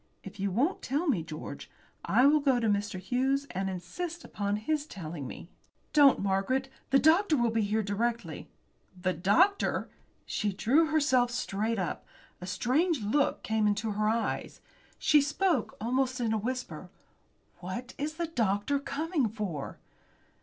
If you won't tell me, George, I will go to Mr. Hughes and insist upon his telling me." "Don't, Margaret. The doctor will be here directly." "The doctor?" She drew herself straight up. A strange look came into her eyes. She spoke almost in a whisper. "What is the doctor coming for?"